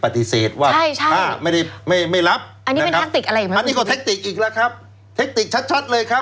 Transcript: ไปปฏิเสธว่าไม่รับนะครับอันนี้ก็เทคติกอีกแล้วครับเทคติกชัดเลยครับ